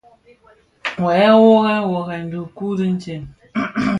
Wè wuorèn wuorèn dhi dikuu ditsem.